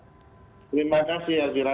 terima kasih azira